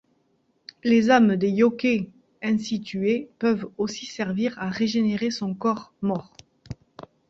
Les âmes des yôkais ainsi tués peuvent aussi servir à régénérer son corps mort.